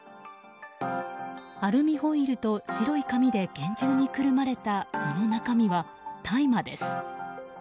アルミホイルと白い紙で厳重にくるまれた、その中身は大麻です。